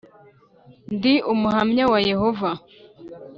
ndi Umuhamya wa Yehova